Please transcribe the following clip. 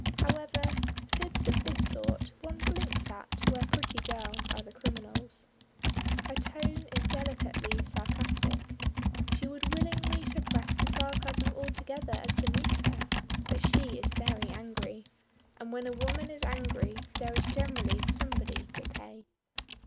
However, fibs of this sort one blinks at where pretty girls are the criminals. Her tone is delicately sarcastic. She would willingly suppress the sarcasm altogether as beneath her, but she is very angry; and when a woman is angry there is generally somebody to pay.